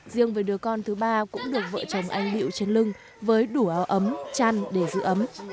riêng với đứa con thứ ba cũng được vợ chồng anh điệu trên lưng với đủ áo ấm chăn để giữ ấm